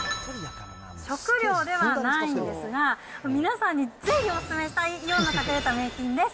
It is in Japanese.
食料ではないんですが、皆さんにぜひお勧めしたい、イオンの隠れた名品です。